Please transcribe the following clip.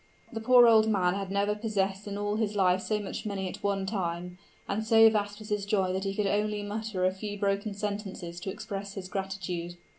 The poor old man had never possessed in all his life so much money at one time; and so vast was his joy that he could only mutter a few broken sentences to express his gratitude.